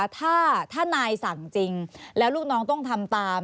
ถ้านายสั่งจริงแล้วลูกน้องต้องทำตาม